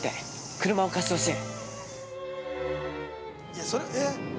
車を貸してほしい。